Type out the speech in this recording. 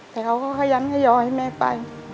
แต่เขาก็ขยันขยอให้แม่ไป